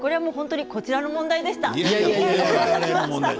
こちらの問題でした。